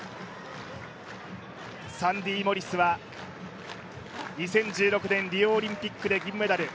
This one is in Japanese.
サンディ・モリスは２０１６年リオオリンピックで銀メダル。